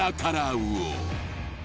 魚